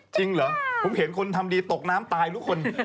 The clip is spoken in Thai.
จริงเหรอผมเห็นคนทำดีตกน้ำตายทุกคน